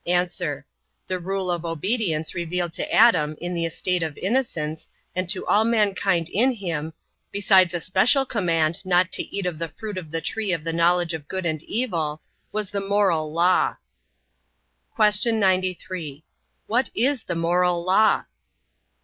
A. The rule of obedience revealed to Adam in the estate of innocence, and to all mankind in him, besides a special command not to eat of the fruit of the tree of the knowledge of good and evil, was the moral law. Q. 93. What is the moral law?